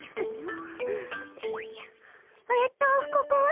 えっとここは。